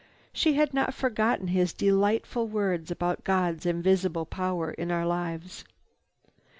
She had not forgotten his delightful words about God's invisible power in our lives.